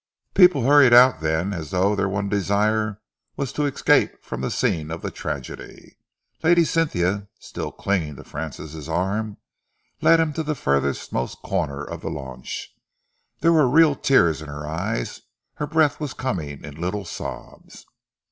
People hurried out then as though their one desire was to escape from the scene of the tragedy. Lady Cynthia, still clinging to Francis' arm, led him to the furthermost corner of the launch. There were real tears in her eyes, her breath was coming in little sobs.